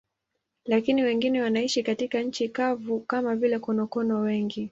Lakini wengine wanaishi katika nchi kavu, kama vile konokono wengi.